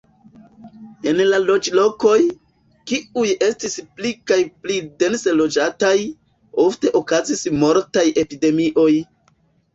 En la loĝlokoj, kiuj estis pli kaj pli dense loĝataj, ofte okazis mortaj epidemioj.